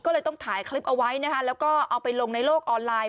ก็เลยต้องถ่ายคลิปเอาไว้นะคะแล้วก็เอาไปลงในโลกออนไลน์